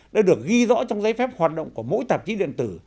đã được ghi rõ trong giấy phép hoạt động của mỗi tạp chí điện tử